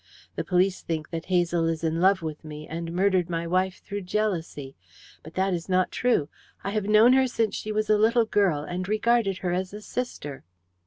The police think that Hazel is in love with me, and murdered my wife through jealousy. But that is not true. I have known her since she was a little girl, and regarded her as a sister."